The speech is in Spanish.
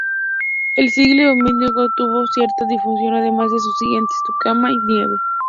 El single homónimo tuvo cierta difusión, además de los subsiguientes, "Tu Cama" y "Nieve".